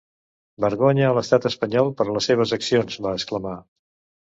Vergonya a l’estat espanyol per les seves accions!, va exclamar.